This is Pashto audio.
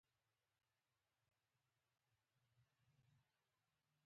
دا درمل څه وخت وخورم؟